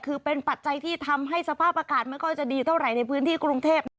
คือเป็นปัจจัยที่ทำให้สภาพอากาศไม่ค่อยจะดีเท่าไหร่ในพื้นที่กรุงเทพนะคะ